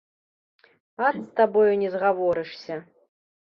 Ат, з табою не згаворышся!